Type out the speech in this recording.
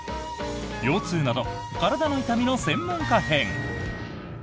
腰痛など体の痛みの専門家編！